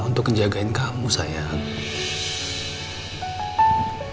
untuk njagain kamu sayang